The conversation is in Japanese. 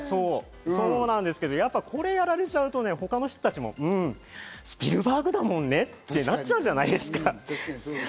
そんなんですけど、これやられちゃうと他の人たちもスピルバーグだもんね？ってなっちゃうじゃないですか。